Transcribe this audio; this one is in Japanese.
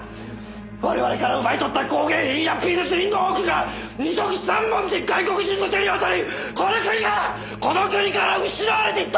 我々から奪い取った工芸品や美術品の多くが二束三文で外国人の手に渡りこの国からこの国から失われていった！